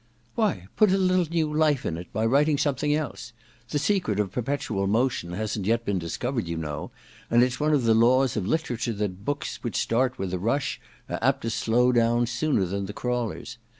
* Why, put a little new life in it by writing something else. The secret of perpetual motion hasn't yet been discovered, you know, and it's one of the laws of literature that books which start with a rush are apt to slow down sooner than the crawlers.